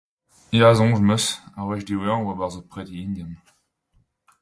Ya, soñj 'm eus. Ar wech diwezhañ e oa 'barzh ur preti indian.